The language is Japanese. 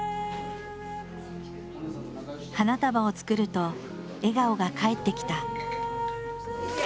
花束を作ると笑顔が返ってきた。